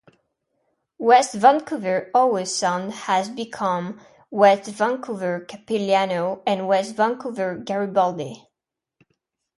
West Vancouver-Howe Sound has become West Vancouver-Capilano and West Vancouver-Garibaldi.